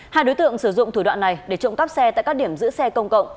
hai đối tượng sử dụng thủ đoạn này để trộm cắp xe tại các điểm giữ xe công cộng